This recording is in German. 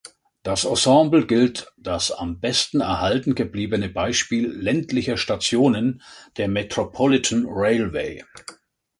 Das Ensemble gilt das am besten erhalten gebliebene Beispiel ländlicher Stationen der Metropolitan Railway.